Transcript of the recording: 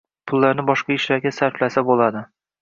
– pullarni boshqa ishlarga sarflasa bo‘ladi.